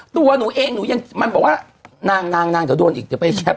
ตัวหนูเองหนูยังมันบอกว่านางนางเดี๋ยวโดนอีกเดี๋ยวไปแชป